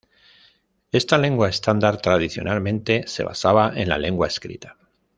Esta lengua estándar, tradicionalmente, se basaba en la lengua escrita.